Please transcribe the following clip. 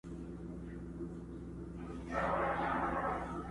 هغه زلمو او بوډاګانو ته منلی چنار٫